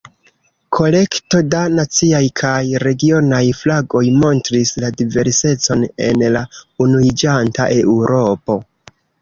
Kolekto da naciaj kaj regionaj flagoj montris la diversecon en la unuiĝanta Eŭropo.